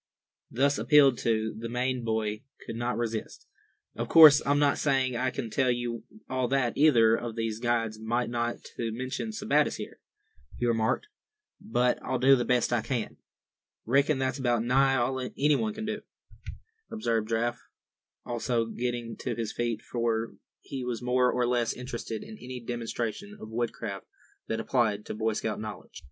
Thus appealed to, the Maine boy could not resist. "Of course I'm not saying I can tell you all that either of these guides might—not to mention Sebattis here," he remarked, "but I'll do the best I can." "Reckon that's about nigh all anybody can do," observed Giraffe, also getting to his feet; for he was more or less interested in any demonstration of woodcraft that applied to Boy Scout knowledge.